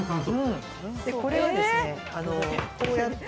これはですね、こうやって